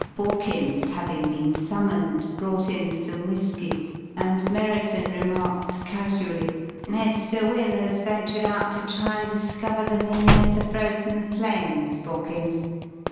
Borkins, having been summoned, brought in some whisky and Merriton remarked casually: "Mr. Wynne has ventured out to try and discover the meaning of the Frozen Flames, Borkins.